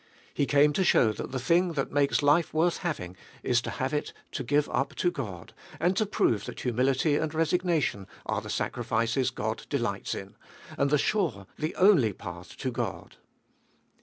He came to show that the thing that makes life worth having is to have it to give up to God, and to prove that humility and resignation are the sacrifices God delights in, and the sure, the only path to God.